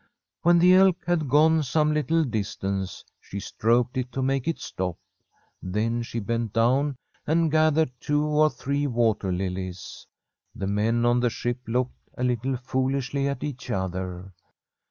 When the elk had gone some little distance, she stroked it to make it stop. Then she bent down and gathered two or three water lilies. The men on the ship looked a little foolishly at each other.